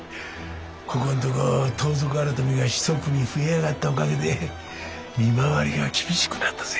ここんとこ盗賊改が一組増えやがったおかげで見回りが厳しくなったぜ。